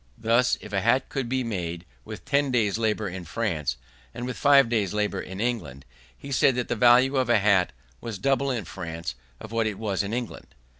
Thus, if a hat could be made with ten days' labour in France and with five days' labour in England, he said that the value of a hat was double in France of what it was in England.